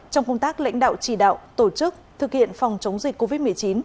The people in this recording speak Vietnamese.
trong công tác lãnh đạo chỉ đạo tổ chức thực hiện phòng chống dịch covid một mươi chín